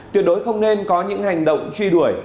tuyệt đối không nên có những hành động truy đuổi